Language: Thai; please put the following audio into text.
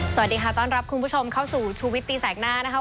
สวัสดีค่ะต้อนรับคุณผู้ชมเข้าสู่ชูวิตตีแสกหน้านะคะ